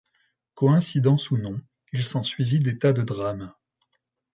Coïncidence ou non, il s'en suivit des tas de drames.